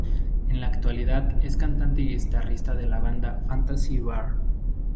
En la actualidad es cantante y guitarrista de la banda Fantasy Bar.